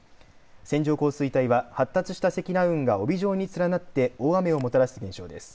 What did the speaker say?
線状降水帯は発達した積乱雲が帯状に連なって大雨をもたらす現象です。